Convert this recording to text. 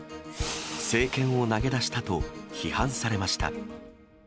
政権を投げ出したと批判されました。